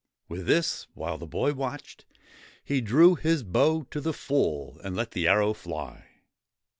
With this, while the boy watched, he drew his bow to the full, and let the arrow fly.